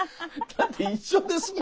だって一緒ですもん。